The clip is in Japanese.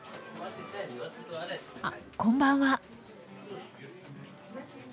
あっこんばんは。